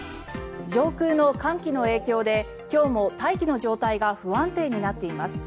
上空の寒気の影響で今日も大気の状態が不安定になっています。